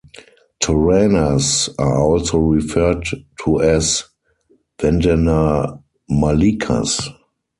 Toranas are also referred to as vandanamalikas.